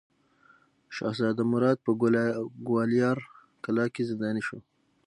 شهزاده مراد په ګوالیار کلا کې زنداني شو.